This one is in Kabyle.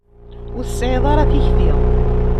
Ur tesεiḍ ara tikti.